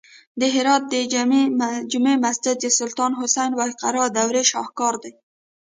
د هرات د جمعې مسجد د سلطان حسین بایقرا دورې شاهکار دی